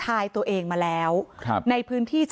ไม่อยากให้ต้องมีการศูนย์เสียกับผมอีก